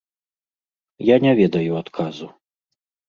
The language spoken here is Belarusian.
Я не ведаю адказу.